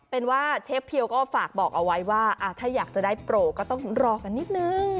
เป็นว่าเชฟเพียวก็ฝากบอกเอาไว้ว่าถ้าอยากจะได้โปรก็ต้องรอกันนิดนึง